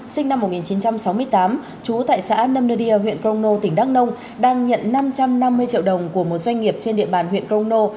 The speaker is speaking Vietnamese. sinh năm một nghìn chín trăm sáu mươi tám trú tại xã nâm nơ đi huyện crono tỉnh đắk nông đang nhận năm trăm năm mươi triệu đồng của một doanh nghiệp trên địa bàn huyện crono